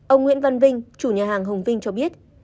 ông nguyễn văn vinh chủ nhà hàng hồng vinh cho biết